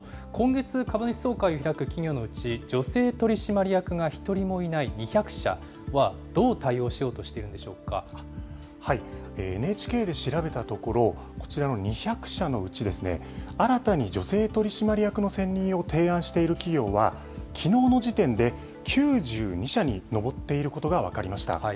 仲沢さん、キヤノンショックということばもありましたけれども、今月、株主総会を開く企業のうち、女性取締役が１人もいない２００社は、どう対応しようとしているＮＨＫで調べたところ、こちらの２００社のうち、新たに女性取締役の選任を提案している企業は、きのうの時点で、９２社に上っていることが分かりました。